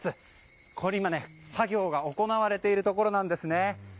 今、作業が行われているところなんですね。